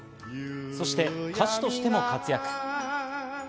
そして歌手としても活躍。